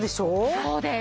そうです。